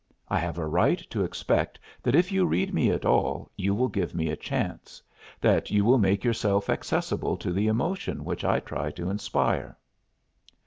I have a right to expect that if you read me at all you will give me a chance; that you will make yourself accessible to the emotion that I try to inspire."